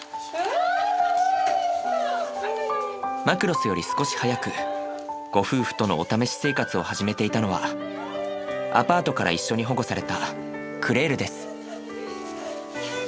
マクロスより少し早くご夫婦とのお試し生活を始めていたのはアパートから一緒に保護されたクレールです。